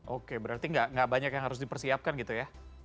oke berarti nggak banyak yang harus dipersiapkan gitu ya